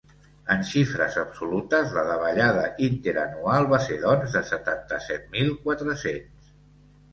En xifres absolutes, la davallada interanual va ser, doncs, de setanta-set mil quatre-cents.